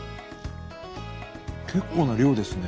結構な量ですね。